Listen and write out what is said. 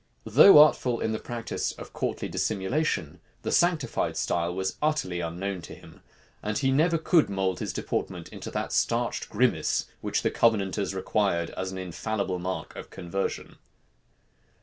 Though artful in the practice of courtly dissimulation, the sanctified style was utterly unknown to him; and he never could mould his deportment into that starched grimace which the Covenanters required as an infallible mark of conversion.